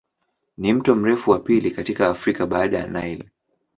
Ni mto mrefu wa pili katika Afrika baada ya Nile.